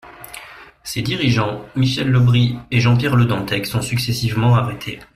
Ses dirigeants, Michel Le Bris et Jean-Pierre Le Dantec, sont successivement arrêtés.